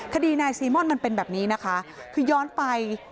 คดีนายซีม่อนมันเป็นแบบนี้นะคะคือย้อนไป